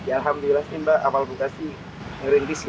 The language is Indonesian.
alhamdulillah sih mbak awal buka sih ngerintis ya